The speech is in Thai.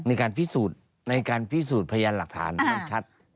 ในการพิสูจน์พยานหลักฐานชัด